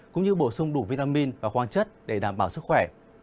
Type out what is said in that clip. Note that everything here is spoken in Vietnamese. cũng như bổ sung đủ vitamin và khoáng chất để đảm bảo sức khỏe